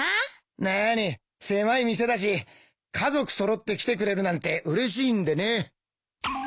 なあに狭い店だし家族揃って来てくれるなんてうれしいんでね。